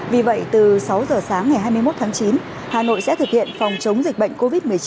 vì vậy từ sáu giờ sáng ngày hai mươi một tháng chín hà nội sẽ thực hiện phòng chống dịch bệnh covid một mươi chín